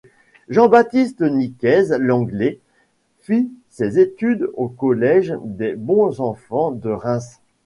Jean-Baptiste Nicaise Langlet, fit ses études au Collège des Bons-enfants de Reims.